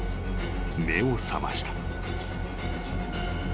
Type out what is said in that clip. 目を覚ました］